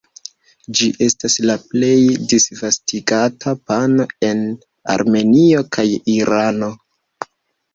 Ĝi estas la plej disvastigata pano en Armenio kaj Irano.